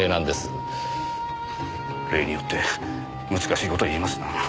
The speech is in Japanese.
例によって難しい事言いますな。